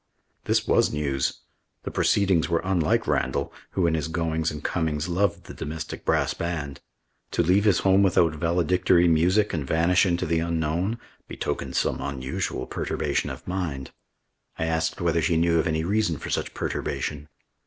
This was news. The proceedings were unlike Randall, who in his goings and comings loved the domestic brass band. To leave his home without valedictory music and vanish into the unknown, betokened some unusual perturbation of mind. I asked whether she knew of any reason for such perturbation.